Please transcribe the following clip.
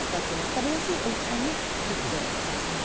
食べやすい大きさに切って下さい。